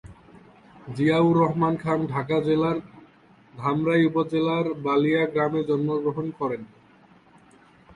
জিয়াউর রহমান খান ঢাকা জেলার ধামরাই উপজেলার বালিয়া গ্রামে জন্মগ্রহণ করেন।